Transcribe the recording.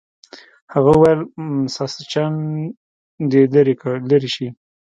هغه وویل ساسچن دې لرې شي.